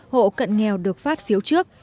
hộ cận nghèo được phát phiếu trước